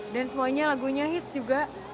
dan semuanya lagunya hits juga